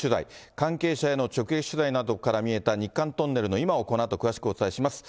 関係者への直撃取材などから見えた日韓トンネルの今をこのあと詳しくお伝えします。